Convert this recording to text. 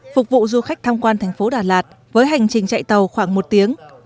phục vụ du khách tham quan thành phố đà lạt với hành trình chạy tàu khoảng một tiếng